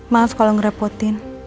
maaf kalau ngerepotin